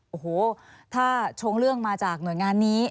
โอ้โหถ้าชงเรื่องมาจากหน่วยงานนี้